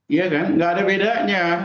iya kan nggak ada bedanya